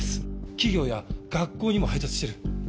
企業や学校にも配達してる。